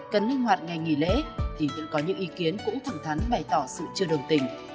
cần linh hoạt ngày nghỉ lễ thì có những ý kiến cũng thẳng thắn bày tỏ sự chưa đồng tình